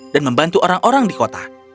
dan membantu orang orang di kota